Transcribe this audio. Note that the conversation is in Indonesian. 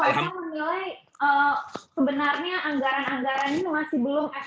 sebenarnya anggaran anggaran ini masih belum efektif